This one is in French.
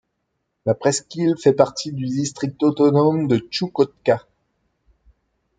La presqu'île fait partie du district autonome de Tchoukotka.